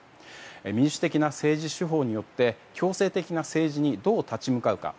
民主的な政治手法によって強制的な政治にどう立ち向かうか。